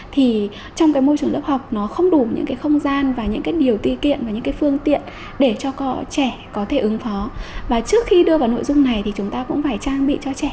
trong nội dung này thì chúng ta cũng phải trang bị cho trẻ